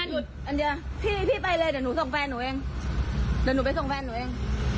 อันเดียวพี่ไปเลยเดี๋ยวหนูส่งแฟนหนูเอง